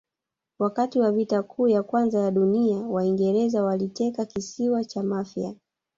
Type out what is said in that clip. wakati wa vita kuu ya kwanza ya dunia waingereza waliteka kisiwa cha mafia